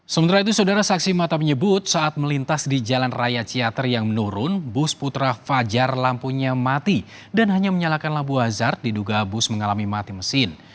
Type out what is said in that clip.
sementara itu saudara saksi mata menyebut saat melintas di jalan raya ciater yang menurun bus putra fajar lampunya mati dan hanya menyalakan labu azard diduga bus mengalami mati mesin